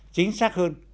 chính xác hơn